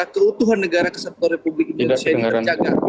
ketua tuhan negara kesehatan republik indonesia ini terjaga